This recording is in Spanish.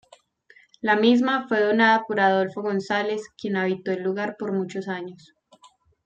La misma fue donada por Adolfo González, quien habitó el lugar por muchos años.